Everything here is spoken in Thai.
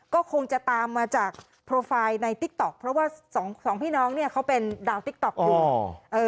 ก็คงจะตามมาจากโปรไฟล์ในติ๊กต๊อกเพราะว่าสองพี่น้องเนี่ยเขาเป็นดาวติ๊กต๊อกอยู่